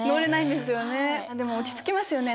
でも落ち着きますよね